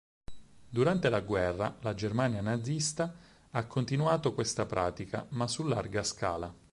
Durante la guerra, la Germania nazista ha continuato questa pratica, ma su larga scala.